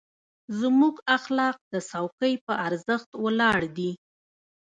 زموږ اخلاق د څوکۍ په ارزښت ولاړ دي.